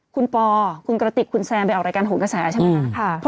คุณปอคุณกระติกคุณแซนไปออกรายการโหนกระแสใช่ไหมคะ